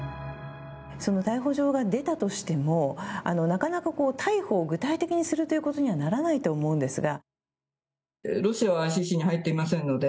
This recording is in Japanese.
逮捕状が出たとしてもなかなか逮捕を具体的にすることにはならないと思うんですが。